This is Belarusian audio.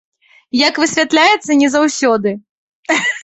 Як высвятляецца, не заўсёды.